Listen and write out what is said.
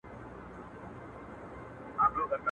سره لمبه به ګل غونډۍ وي، د سرو ګلو له محشره.